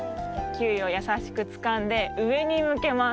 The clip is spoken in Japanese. キウイをやさしくつかんでうえにむけます。